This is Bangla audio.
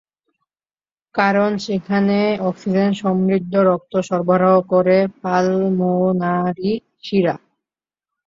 কারণ সেখানে অক্সিজেন সমৃদ্ধ রক্ত সরবরাহ করে পালমোনারি শিরা।